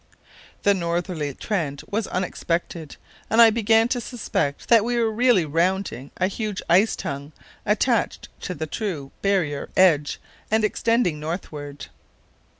The northerly trend was unexpected, and I began to suspect that we were really rounding a huge ice tongue attached to the true barrier edge and extending northward.